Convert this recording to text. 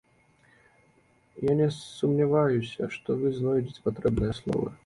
Я не сумняваюся, што вы знойдзеце патрэбныя словы.